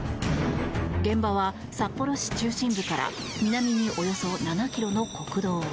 現場は札幌市中心部から南におよそ７ｋｍの国道。